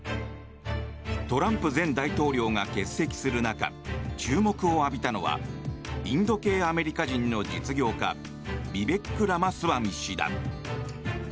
トランプ前大統領が欠席する中注目を浴びたのはインド系アメリカ人の実業家ビベック・ラマスワミ氏だ。